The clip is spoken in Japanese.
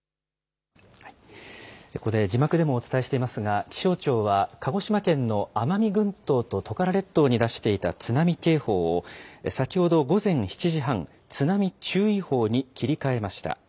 ここで字幕でもお伝えしていますが、気象庁は鹿児島県の奄美群島とトカラ列島に出していた津波警報を、先ほど午前７時半、津波注意報に切り替えました。